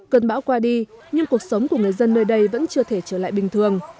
cơn bão qua đi nhưng cuộc sống của người dân nơi đây vẫn chưa thể trở lại bình thường